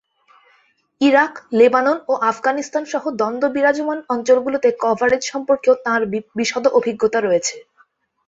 Iraq, Lebanon ও আফগানিস্তান সহ দ্বন্দ্ব বিরাজমান অঞ্চলগুলোতে কভারেজ সম্পর্কেও তাঁর বিশদ অভিজ্ঞতা রয়েছে।